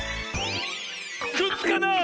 くっつかない！